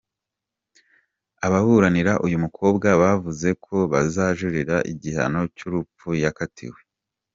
Ababuranira uyu mukobwa bavuze ko bazajurira igihano cy’urupfu yakatiwe.